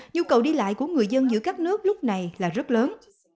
nhu cầu đi lại của người dân giữa các nước lúc này là rất lớn